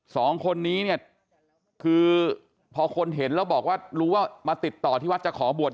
สองคนนี้เนี่ยคือพอคนเห็นแล้วบอกว่ารู้ว่ามาติดต่อที่วัดจะขอบวช